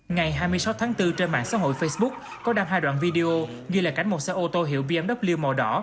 ngày hai mươi sáu tháng bốn trên mạng xã hội facebook có đam hai đoạn video ghi lại cảnh một xe ô tô hiệu bmw màu đỏ